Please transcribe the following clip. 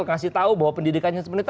kasih tahu bahwa pendidikan yang sebenarnya